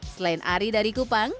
selain ari dari kupang